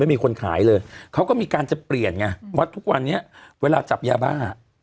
ไม่มีคนขายเลยเขาก็มีการจะเปลี่ยนไงว่าทุกวันนี้เวลาจับยาบ้า